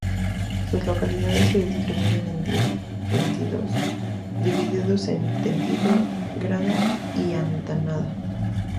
Sus localidades se distribuyen en diez tendidos, divididos en tendido, grada y andanada.